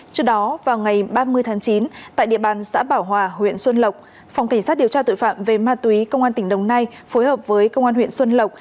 trước đó vào ngày ba mươi tháng chín tại địa bàn xã bảo hòa huyện xuân lộc phòng cảnh sát điều tra tội phạm về ma túy công an tỉnh đồng nai phối hợp với công an huyện xuân lộc